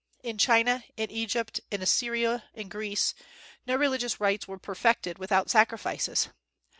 In China, in Egypt, in Assyria, in Greece, no religious rites were perfected without sacrifices.